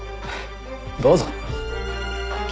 どうぞ。